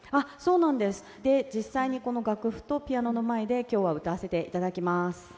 実際にこの楽譜とピアノの前できょうは歌わせていただきます。